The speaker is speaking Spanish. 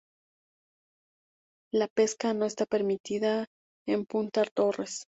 La pesca no está permitida en punta Torres.